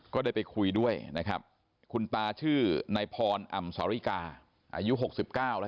ก็ได้ไปคุยด้วยนะครับคุณตาชื่อนายพรอ่ำสริกาอายุ๖๙แล้ว